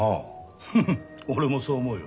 フフッ俺もそう思うよ。